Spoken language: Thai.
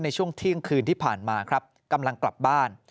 ในช่วงเที่ยงคืนที่ผ่านมาครับกำลังกลับบ้าน